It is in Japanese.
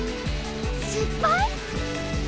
しっぱい？